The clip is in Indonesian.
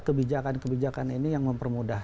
kebijakan kebijakan ini yang mempermudah